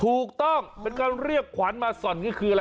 ถูกต้องเป็นการเรียกขวัญมาส่อนก็คืออะไร